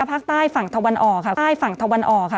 ศูนย์อุตุนิยมวิทยาภาคใต้ฝั่งตะวันอ่อค่ะ